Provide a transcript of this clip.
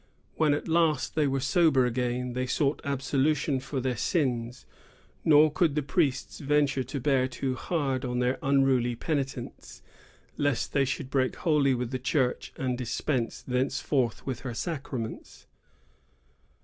When at last they were sober again, they sought absolution for their sins ; nor could the priests ven ture to bear too hard on their unruly penitents, lest they should break wholly with the Church and dis pense thenceforth with her sacraments.